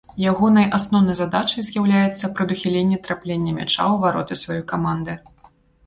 Ягонай асноўнай задачай з'яўляецца прадухіленне трапляння мяча ў вароты сваёй каманды.